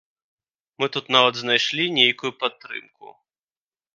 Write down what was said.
Мы тут нават знайшлі нейкую падтрымку.